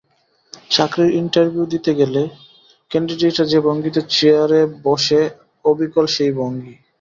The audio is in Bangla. চাকরির ইন্টারভ্যু দিতে এলে ক্যান্ডিডেটরা যে-ভঙ্গিতে চেয়াতে বসে অবিকল সেই ভঙ্গি।